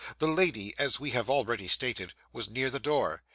The lady, as we have already stated, was near the door.